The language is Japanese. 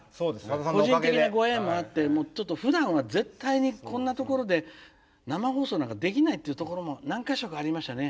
個人的なご縁もあってちょっとふだんは絶対にこんなところで生放送なんかできないっていうところも何か所かありましたね。